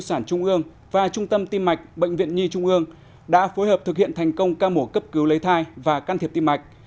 sản trung ương và trung tâm tim mạch bệnh viện nhi trung ương đã phối hợp thực hiện thành công ca mổ cấp cứu lấy thai và can thiệp tim mạch